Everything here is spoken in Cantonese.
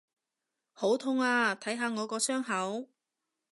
好痛啊！睇下我個傷口！